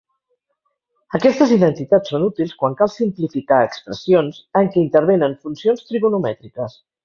Aquestes identitats són útils quan cal simplificar expressions en què intervenen funcions trigonomètriques.